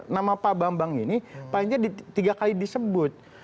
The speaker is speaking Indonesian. nama pak bambang ini paling tidak tiga kali disebut